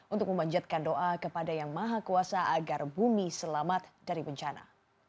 untuk memanjatkan doa kepada yang maha kuasa agar bumi selamat dari bencana